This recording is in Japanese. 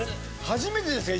初めてです。